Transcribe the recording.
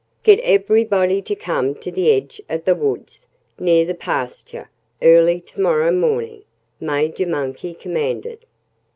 "Get everybody to come to the edge of the woods, near the pasture, early to morrow morning," Major Monkey commanded.